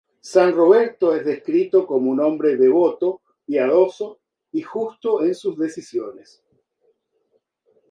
San Roberto es descrito como un hombre devoto, piadoso y justo en sus decisiones.